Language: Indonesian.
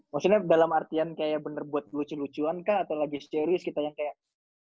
maksudnya dalam artian kayak bener buat lucu lucuan kah atau lagi serius kita yang kayak